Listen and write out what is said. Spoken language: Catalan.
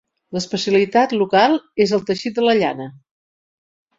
L'especialitat local és el teixit de la llana.